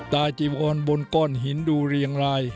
จีวอนบนก้อนหินดูเรียงราย